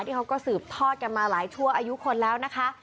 เขาก็สืบทอดกันมาหลายชั่วอายุคนแล้วนะคะ